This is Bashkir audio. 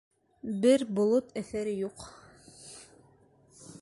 Бер болот әҫәре юҡ.